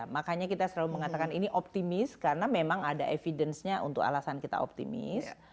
makanya kita selalu mengatakan ini optimis karena memang ada evidence nya untuk alasan kita optimis